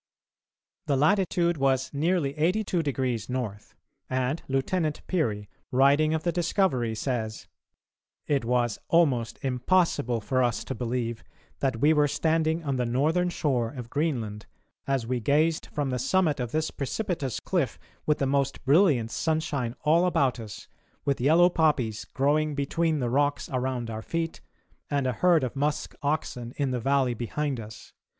The latitude was nearly 82° N., and Lieutenant Peary, writing of the discovery, says: "It was almost impossible for us to believe that we were standing on the northern shore of Greenland as we gazed from the summit of this precipitous cliff with the most brilliant sunshine all about us, with yellow poppies growing between the rocks around our feet and a herd of musk oxen in the valley behind us.